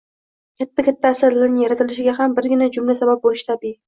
Katta-katta asarlarning yaratilishiga ham birgina jumla sabab bo‘lishi tabiiy.